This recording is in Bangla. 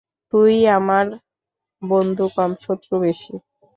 তুই আমার বন্ধু কম শত্রু বেশি।